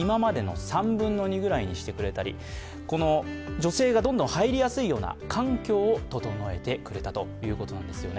女性がどんどん入りやすいような環境を整えてくれたということなんですよね。